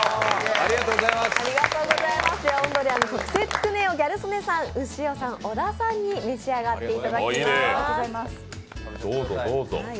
音鶏家の特製つくねをギャル曽根さん、潮さん、小田さんに召し上がっていただきます。